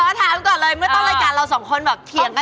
ถามก่อนเลยเมื่อต้นรายการเราสองคนแบบเถียงกัน